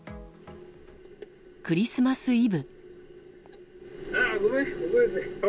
クリスマスイブ。